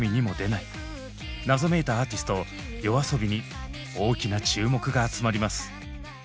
謎めいたアーティストＹＯＡＳＯＢＩに大きな注目が集まります。